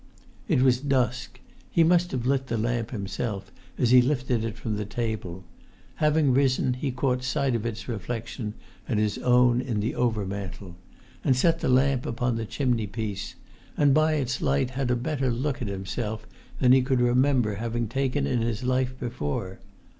It was dusk. He must have lit the lamp himself; as he lifted it from the table, having risen, he caught sight of its reflection and his own in the overmantel, and set the lamp upon the chimneypiece, and by its light had a better look at himself than he could remember having taken in his life before.